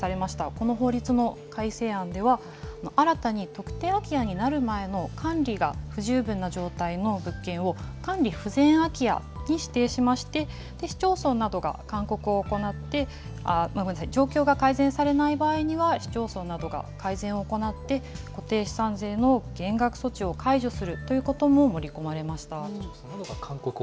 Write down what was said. この法律の改正案では、新たに特定空き家になる前の管理が不十分な状態の物件を管理不全空き家に指定しまして、市町村などが勧告を行って、ごめんなさい、状況が改善されない場合には、市町村などが改善を行って、固定資産税の減額措置を解除するということも盛り込まれました。